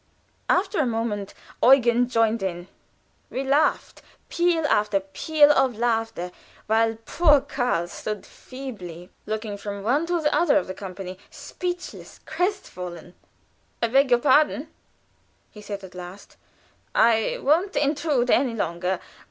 After a moment, Eugen joined in; we laughed peal after peal of laughter, while poor Karl stood feebly looking from one to the other of the company speechless crestfallen. "I beg your pardon." he said, at last, "I won't intrude any longer.